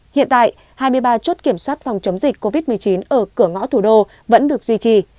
hiện tại hai mươi ba chốt kiểm soát phòng chống dịch covid một mươi chín ở cửa ngõ thủ đô vẫn được duy trì